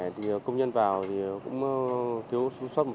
thì công nhân vào thì cũng thiếu xuất một số tổ mới